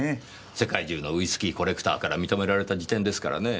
世界中のウイスキーコレクターから認められた事典ですからねぇ。